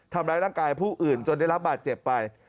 ทำร้ายร่างกายผู้อื่นจนได้รับบาดเจ็บไป